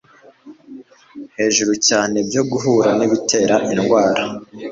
hejuru cyane byo guhura n'ibitera indwara.